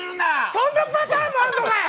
そんなパターンもあんのかよ。